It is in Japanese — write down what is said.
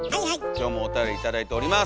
今日もおたより頂いております。